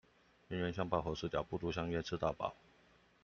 冤冤相報何時了，不如相約吃到飽